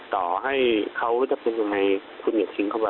ต่อให้เขาจะเป็นยังไงคุณอย่าทิ้งเข้ามา